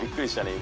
今。